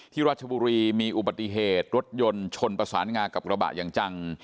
รัชบุรีมีอุบัติเหตุรถยนต์ชนประสานงากับกระบะอย่างจัง